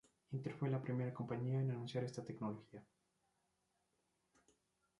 Intel fue la primera compañía en anunciar esta tecnología.